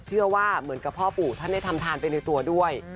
เหมือนกับพ่อปู่ท่านได้ทำทานไปในตัวด้วย